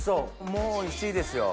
もうおいしいですよ。